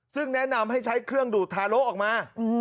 ซึ่งแนะนำให้ใช้เครื่องดูดทาโลออกมา